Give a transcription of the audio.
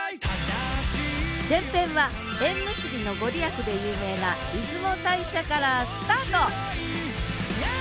前編は縁結びの御利益で有名な出雲大社からスタート！